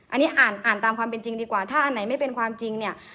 อันนี้อ่านอ่านตามความเป็นจริงดีกว่าถ้าอันไหนไม่เป็นความจริงเนี่ย